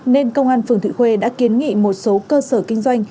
nên công an phường thụy khuê đã kiến nghị một số cơ sở kinh doanh